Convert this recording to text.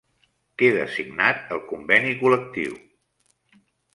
Queda signat el conveni col·lectiu